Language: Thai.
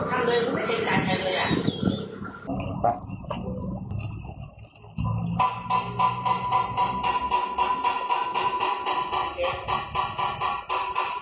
คุณคิดจะทำอะไรคุณทำเลยคุณไม่ได้เจ็บหลายแขนเลยอ่ะ